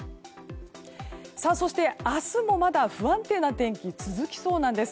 そして、明日もまだ不安定な天気が続きそうなんです。